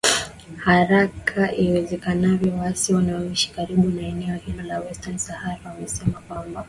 haraka iwezekanavyo waasi wanaoishi karibu na eneo hilo la western sahara wamesema kwamba